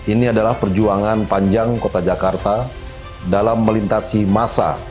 ini adalah perjuangan panjang kota jakarta dalam melintasi massa